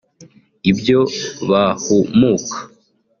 ibyo bahumuka